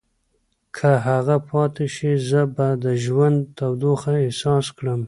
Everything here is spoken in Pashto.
که هغه پاتې شي، زه به د ژوند تودوخه احساس کړم.